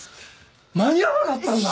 間に合わなかったんだ！？